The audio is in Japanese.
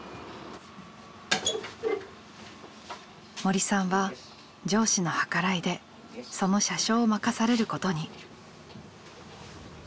森さんは上司の計らいでその車掌を任されることに。